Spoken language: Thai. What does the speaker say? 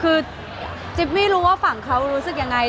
คือจิ๊บไม่รู้ว่าฝั่งเขารู้สึกยังไง